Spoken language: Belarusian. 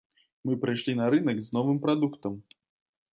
Мы прыйшлі на рынак з новым прадуктам.